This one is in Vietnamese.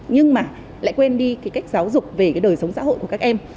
nhưng mà lại quên đi cái cách giáo dục về cái đời sống xã hội của các em